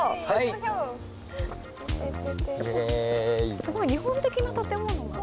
すごい日本的な建物。